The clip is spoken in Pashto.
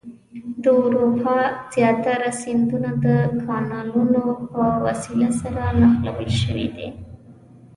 د اروپا زیاتره سیندونه د کانالونو په وسیله سره نښلول شوي دي.